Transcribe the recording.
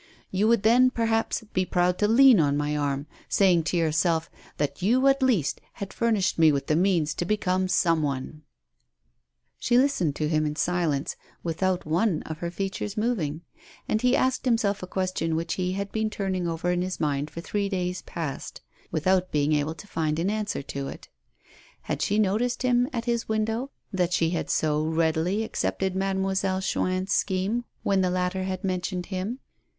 You would then, perhaps, be proud to lean on my arm, saying to yourself that you at least had furnished me with the means to become some one!" She listened to him in silence, without one of her features moving. And he asked himself a question which he had been turning over in his mind for three days past, without being able to find an answer to it : Had she noticed him at his window, that she had so readily accepted Mademoiselle Chuin's scheme when the 84 A SPOILED TRIUMPH. latter had mentioned him